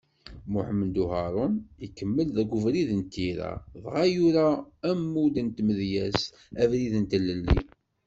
Muḥemmed Uharun, ikemmel deg ubrid n tira, dɣa yura ammud n tmedyazt “Abrid n tlelli”.